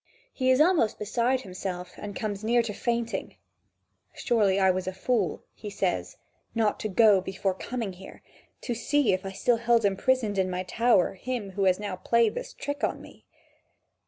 He is almost beside himself and comes near fainting. "Surely I was a fool," he says, "not to go, before coming here, to see if I still held imprisoned in my tower him who now has played this trick on me.